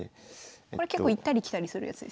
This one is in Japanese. これ結構行ったり来たりするやつですよね？